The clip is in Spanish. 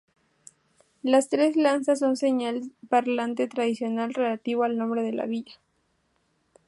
Las tres lanzas son señal parlante tradicional relativo al nombre de la villa.